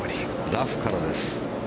ラフからです。